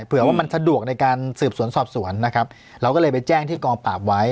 เผื่อว่ามันสะดวกในการสืบสวนสอบสวนนะครับเราก็เลยไปแจ้งที่กองปราบไว้